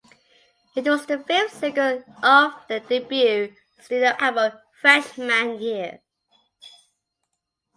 It was the fifth single off their debut studio album "Freshman Year".